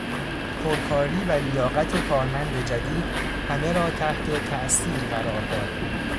پرکاری و لیاقت کارمند جدید همه را تحت تاثیر قرار داد.